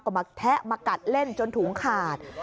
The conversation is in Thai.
ก็มาแทะมากัดเล่นจนถุงขาด